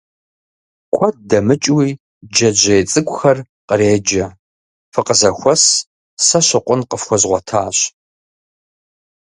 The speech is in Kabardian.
Куэд дэмыкӀыуи джэджьей цӀыкӀухэр къреджэ: фыкъызэхуэс, сэ щыкъун къыфхуэзгъуэтащ!